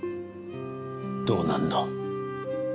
どうなんだ？